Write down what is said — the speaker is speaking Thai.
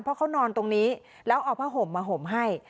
เพราะเขานอนตรงนี้แล้วเอาผ้าห่มมาห่มให้